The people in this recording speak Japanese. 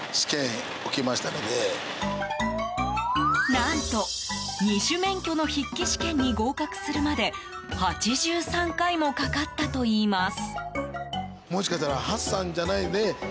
何と、二種免許の筆記試験に合格するまで８３回もかかったといいます。